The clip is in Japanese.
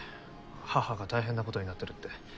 母が大変なことになってるって。